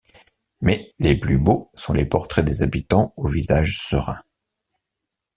Mais les plus beaux sont les portraits des habitants au visage serein.